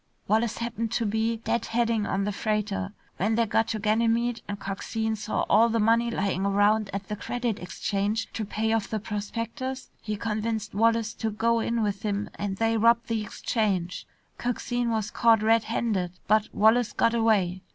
Wallace happened to be dead heading on the freighter. When they got to Ganymede, and Coxine saw all the money lying around at the Credit Exchange to pay off the prospectors, he convinced Wallace to go in with him and they robbed the Exchange. Coxine was caught red handed, but Wallace got away.